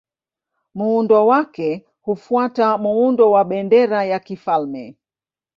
Muundo wake hufuata muundo wa bendera ya kifalme.